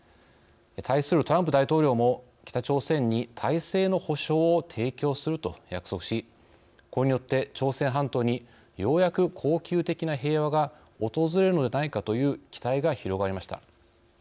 対するトランプ大統領も北朝鮮に体制の保証を提供すると約束しこれによって朝鮮半島にようやく恒久的な平和が訪れるのではないかという期待が広がりました。